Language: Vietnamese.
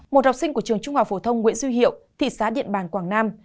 một học sinh của trường trung hòa phổ thông nguyễn duy hiệu thị xã điện bàng quảng nam